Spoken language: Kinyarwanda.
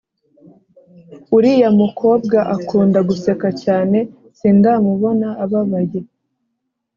uriya mukobwa akunda guseka cyane sindamubona ababaye